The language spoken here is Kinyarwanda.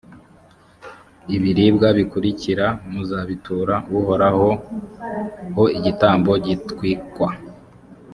ibiribwa bikurikira muzabitura uhoraho ho igitambo gitwikwa.